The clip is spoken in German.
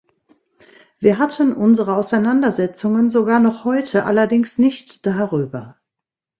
Wir hatten unsere Auseinandersetzungen sogar noch heute -, allerdings nicht darüber.